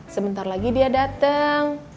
sebentar lagi dia dateng